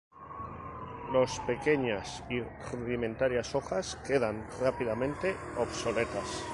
Los pequeñas y rudimentarias hojas quedan rápidamente obsoletas.